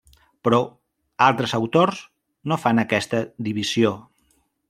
Però altres autors no fan aquesta divisió.